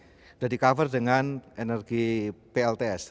sudah di cover dengan energi plts